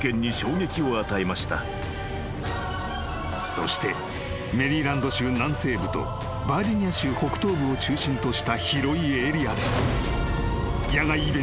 ［そしてメリーランド州南西部とバージニア州北東部を中心とした広いエリアで］